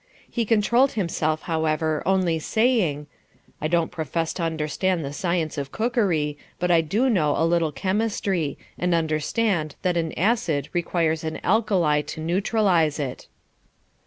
He controlled himself, however, only saying: "I don't profess to understand the science of cookery, but I do know a little chemistry, and understand that an acid requires an alkali to neutralize it."